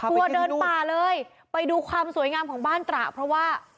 กลัวเดินป่าเลยไปดูความสวยงามของบ้านตระเพราะว่า